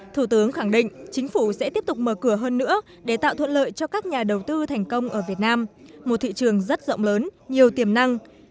thủ tướng khẳng định chính phủ sẽ tiếp tục mở cửa hơn nữa để tạo thuận lợi cho các nhà đầu tư thành công ở việt nam một thị trường rất rộng lớn nhiều tiềm năng